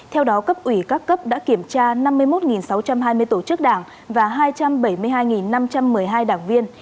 theo đó cấp ủy các cấp đã kiểm tra năm mươi một sáu trăm hai mươi tổ chức đảng và hai trăm bảy mươi hai năm trăm một mươi hai đảng viên